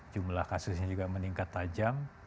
jumlah kasusnya juga meningkat tajam